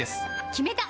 決めた！